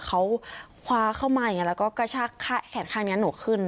เขาคว้าเข้ามาอย่างนี้แล้วก็กระชากแขนข้างนี้หนูขึ้น